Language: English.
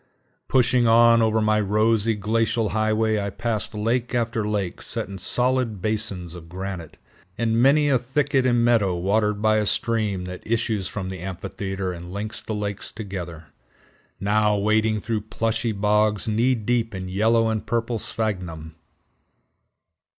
Pushing on over my rosy glacial highway, I passed lake after lake set in solid basins of granite, and many a thicket and meadow watered by a stream that issues from the amphitheater and links the lakes together; now wading through plushy bogs knee deep in yellow and purple sphagnum; now passing over bare rock.